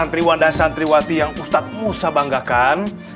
sebelumnya ustadz akan memberikan pembahasan untuk ustadz musa banggakan